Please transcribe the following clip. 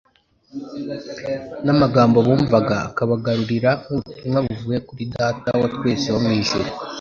n'amagambo bumvaga akabagaragarira nk'ubutumwa buvuye kuri Data wa twese wo mu ijuru.